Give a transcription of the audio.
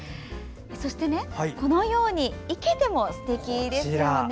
そして、このように生けてもすてきですよね。